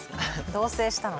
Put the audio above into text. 同棲したのに。